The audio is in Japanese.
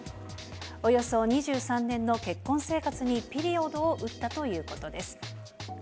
およそ２３年の結婚生活にピリオドを打ったということです。